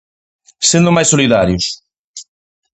Sendo máis solidarios.